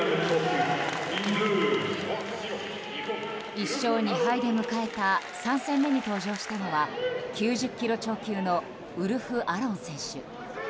１勝２敗で迎えた３戦目に登場したのは９０ｋｇ超級のウルフ・アロン選手。